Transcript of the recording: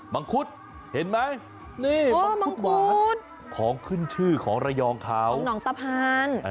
ังคุดเห็นไหมนี่มังคุดหวานของขึ้นชื่อของระยองเขาหนองตะพาน